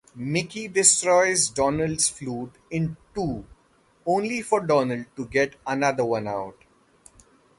Mickey destroys Donald's flute in two, only for Donald to get another one out.